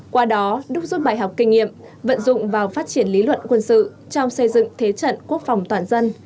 qua đó đúc rút bài học kinh nghiệm vận dụng vào phát triển lý luận quân sự trong xây dựng thế trận quốc phòng toàn dân